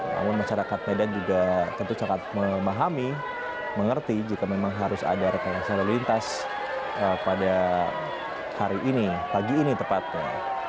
namun masyarakat medan juga tentu sangat memahami mengerti jika memang harus ada rekayasa lalu lintas pada hari ini pagi ini tepatnya